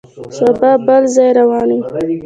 سبا بل ځای روان یو.